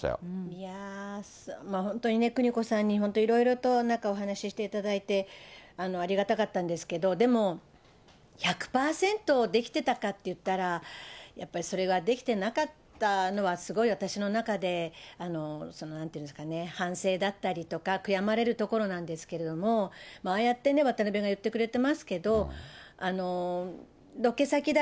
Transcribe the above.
いやー、本当にね、邦子さんに本当、いろいろとなんかお話ししていただいて、ありがたかったんですけど、でも、１００％できてたかっていったらやっぱりそれはできてなかったのは、すごい私の中で、そのなんて言うんですかね、反省だったりとか、悔やまれるところなんですけれども、ああやって渡辺が言ってくれてますけど、ロケ先だ